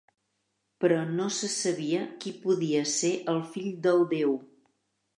Però no se sabia qui podia ser el fill del déu.